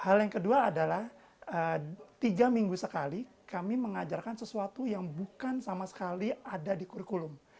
hal yang kedua adalah tiga minggu sekali kami mengajarkan sesuatu yang bukan sama sekali ada di kurikulum